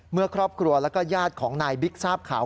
เมื่อครอบครัวแล้วก็ญาติของนายบิ๊กทราบข่าว